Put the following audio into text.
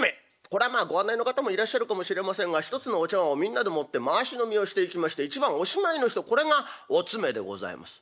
これはまあご案内の方もいらっしゃるかもしれませんが１つのお茶わんをみんなでもって回し飲みをしていきまして一番おしまいの人これがお詰めでございます。